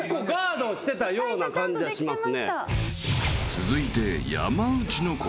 ［続いて］